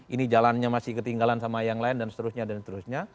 ini jalannya masih ketinggalan sama yang lain dan seterusnya dan seterusnya